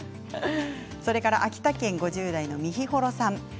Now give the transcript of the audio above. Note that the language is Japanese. それから秋田県５０代の方です。